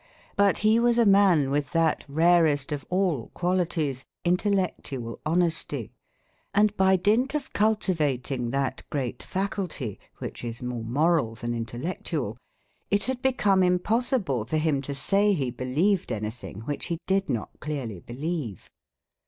But he was a man with that rarest of all qualities intellectual honesty; and by dint of cultivating that great faculty, which is more moral than intellectual, it had become impossible for him to say he believed anything which he did not clearly believe.